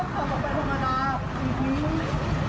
โฮโอ้โฮนี่ค่ะ